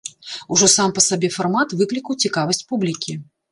Ужо сам па сабе фармат выклікаў цікавасць публікі.